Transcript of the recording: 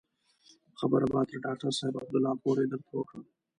خبره به تر ډاکتر صاحب عبدالله پورې درته وکړم.